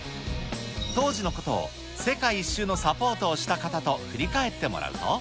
当時のことを世界一周のサポートをした方と振り返ってもらうと。